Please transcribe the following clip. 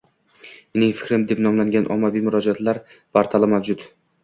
Mening fikrim deb nomlangan ommaviy murojaatlar portali mavjud